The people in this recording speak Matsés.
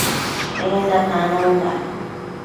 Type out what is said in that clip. Enda tanonda